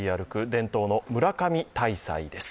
伝統の村上大祭です。